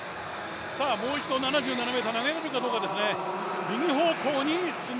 もう一度７７ｍ投げられるかどうですね。